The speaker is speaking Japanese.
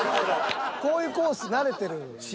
こういうコース慣れてる。